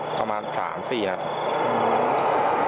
ประมาณ๓๔ครับ